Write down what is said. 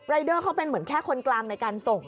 เดอร์เขาเป็นเหมือนแค่คนกลางในการส่ง